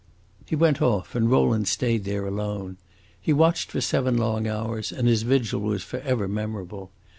He went off, and Rowland stayed there alone. He watched for seven long hours, and his vigil was forever memorable.